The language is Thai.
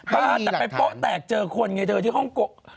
ไม่มีหลักฐานแต่ไปโป๊ะแตกเจอคนไงเธอที่ฮ่องโก๊ะ